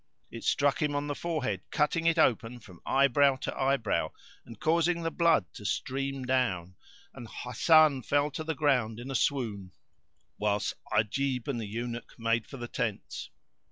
It struck him on the forehead, cutting it open from eye brow to eye brow and causing the blood to stream down: and Hasan fell to the ground in a swoon whilst Ajib and the Eunuch made for the tents.